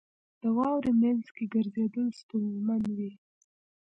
• د واورې مینځ کې ګرځېدل ستونزمن وي.